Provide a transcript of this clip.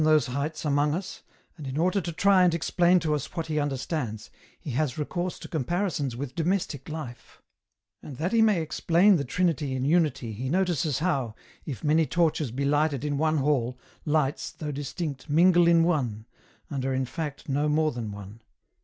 135 , those heights among us, and in order to try and explain to us what he understands, he has recourse to comparisons with domestic Hfe ; and that he may explain the Trinity in Unity he notices how, if many torches be lighted in one hall, lights, though distinct, mingle in one, and are in fact no more than one.